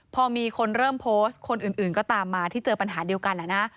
พอมีคนเริ่มโพสต์คนอื่นก็ตามมาที่เจอปัญหาเดียวกันนะ